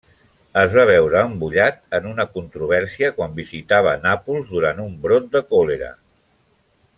Es va veure embullat en una controvèrsia quan visitava Nàpols durant un brot de còlera.